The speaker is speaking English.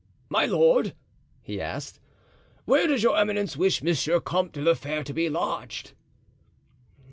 "My lord," he asked, "where does your eminence wish Monsieur Comte de la Fere to be lodged?"